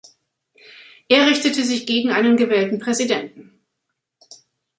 Er richtete sich gegen einen gewählten Präsidenten.